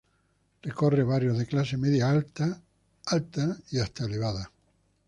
Recorre barrios de clase media-alta, alta y hasta elevada.